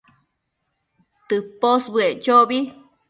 tëposbëec chobi